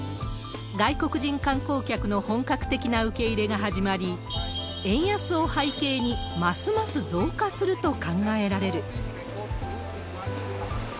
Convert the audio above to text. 外国人観光客の本格的な受け入れが始まり、円安を背景に、ますます増加すると考えられる。